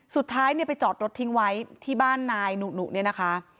สุดท้ายเนี่ยไปจอดรถทิ้งไว้ที่บ้านนายหนุเนี่ยนะคะ